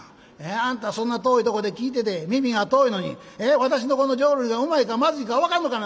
あんたそんな遠いとこで聴いてて耳が遠いのに私のこの浄瑠璃がうまいかまずいか分かんのかいな」。